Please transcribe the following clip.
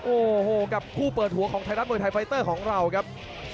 โอ้โหกับคู่เปิดหัวของไทยรัฐมวยไทยไฟเตอร์ของเราครับ